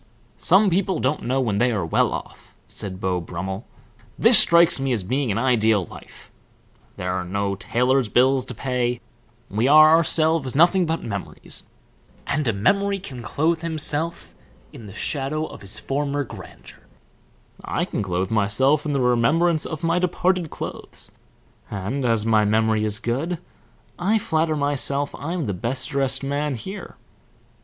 "Some people don't know when they are well off," said Beau Brummel. "This strikes me as being an ideal life. There are no tailors bills to pay we are ourselves nothing but memories, and a memory can clothe himself in the shadow of his former grandeur I clothe myself in the remembrance of my departed clothes, and as my memory is good I flatter myself I'm the best dressed man here.